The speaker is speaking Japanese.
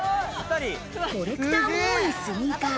コレクターも多いスニーカー。